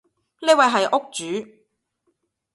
呢位係屋主